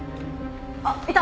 あっいた！